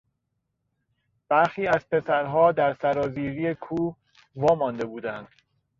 برخی از پسرها در سرازیری کوه وامانده بودند.